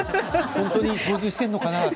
本当に操縦しているのかな